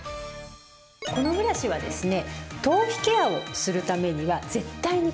このブラシはですね